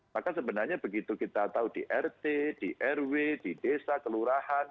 maka sebenarnya begitu kita tahu di rt di rw di desa kelurahan